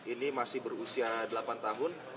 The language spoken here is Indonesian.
ini masih berusia delapan tahun